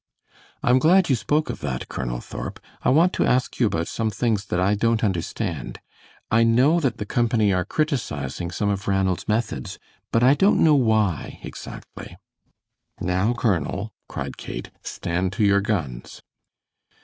"I am glad you spoke of that, Colonel Thorp; I want to ask you about some things that I don't understand. I know that the company are criticising some of Ranald's methods, but don't know why exactly." "Now, Colonel," cried Kate, "stand to your guns."